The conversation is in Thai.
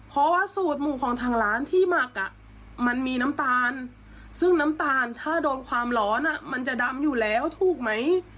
เพราะว่าสูตรหมูของทางร้านที่หมักมันมีน้ำตาลซึ่งน้ำตาลถ้าโดนความร้อนมันจะดำอยู่แล้วถูกไหม